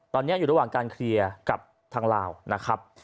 ตอนนี้อยู่ระหว่างการเคลียร์กับทางลาวนะครับ